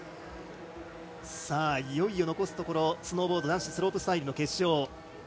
いよいよ残すところスノーボード男子スロープスタイルの決勝